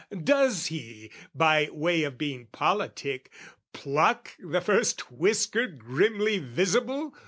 Does he, by way of being politic, Pluck the first whisker grimly visible?